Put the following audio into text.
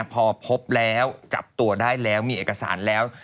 พอพบแล้วจับตัวได้แล้วมีเอกสารแล้ว